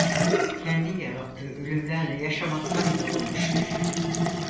Kendi yarattığı ölümlerle yaşamaktan yorulmuştur.